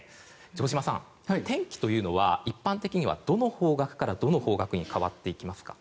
城島さん、天気というのは一般的にはどの方角からどの方角に変わっていきますか？